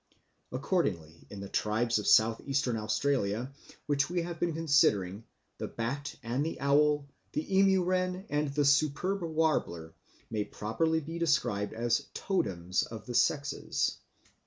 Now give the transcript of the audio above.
Accordingly in the tribes of South Eastern Australia which we have been considering the bat and the owl, the emu wren and the superb warbler, may properly be described as totems of the sexes.